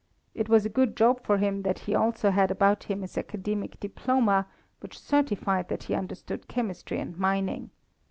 It was a good job for him that he also had about him his academic diploma, which certified that he understood chemistry and mining.